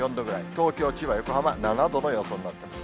東京、千葉、横浜、７度の予想になってます。